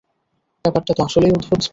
ব্যাপারটা তো আসলেই অদ্ভুত!